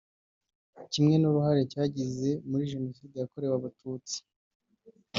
kimwe n’uruhare cyagize muri jenoside yakorewe Abatutsi